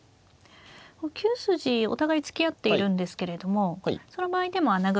９筋お互い突き合っているんですけれどもその場合でも穴熊。